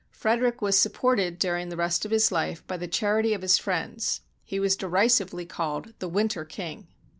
Frederick was sup ported during the rest of his life by the charity of his friends. He was derisively called "the Winter King."